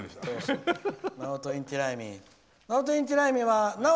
ナオト・インティライミナオート。